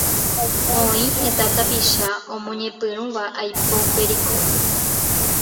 Oĩ heta tapicha omoñepyrũva aipo pericón